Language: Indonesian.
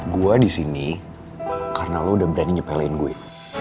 gue disini karena lo udah berani nyepelein gue